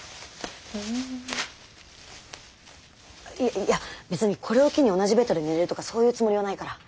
いや別にこれを機に同じベッドで寝れるとかそういうつもりはないから。